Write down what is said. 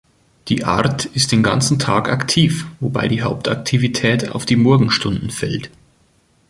Die Art ist den ganzen Tag aktiv, wobei die Hauptaktivität auf die Morgenstunden fällt.